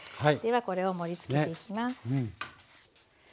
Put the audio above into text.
ではこれを盛りつけていきます。